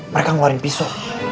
mereka ngeluarin pisau